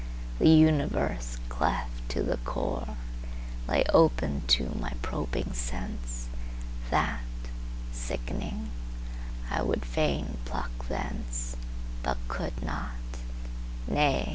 The Universe, cleft to the core, Lay open to my probing senseThat, sick'ning, I would fain pluck thenceBut could not,—nay!